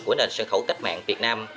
của nền sân khấu cách mạng việt nam